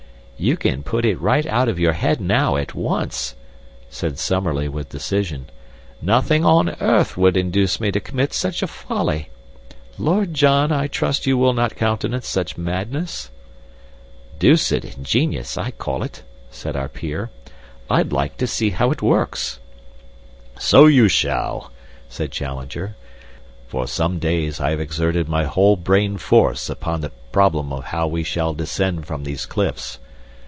"You can put it right out of your head now, at once," said Summerlee with decision, "nothing on earth would induce me to commit such a folly. Lord John, I trust that you will not countenance such madness?" "Dooced ingenious, I call it," said our peer. "I'd like to see how it works." "So you shall," said Challenger. "For some days I have exerted my whole brain force upon the problem of how we shall descend from these cliffs.